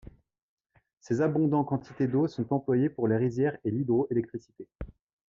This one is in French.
Ces abondants quantités d'eau sont employées pour les rizières et l'hydroélectricité.